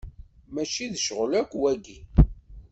Mačči d ccɣel akk, wagi.